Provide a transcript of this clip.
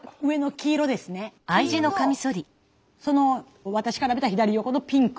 黄色とその私から見た左横のピンク。